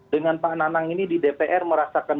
dengan pak nanang ini di dpr merasakan